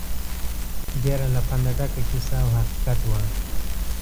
ډېره له پنده ډکه کیسه او حقیقت وه.